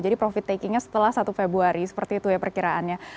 jadi profit takingnya setelah satu februari seperti itu ya perkiraannya